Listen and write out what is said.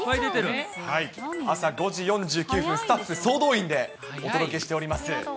朝５時４９分、スタッフ総動員でお届けしております。